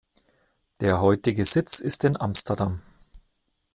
Der heutige Sitz ist in Amsterdam.